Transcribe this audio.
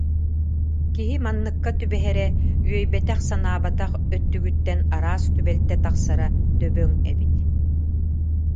Киһи манныкка түбэһэрэ, үөйбэтэх-санаабатах өттүгүттэн араас түбэлтэ тахсара дөбөҥ эбит